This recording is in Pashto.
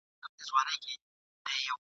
ډېر مو په لیلا پسي تڼاکي سولولي دي ..